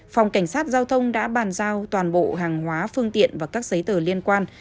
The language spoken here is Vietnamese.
phòng cảnh sát giao thông đã bàn giao toàn bộ hàng hóa phương tiện và các giấy tờ liên quan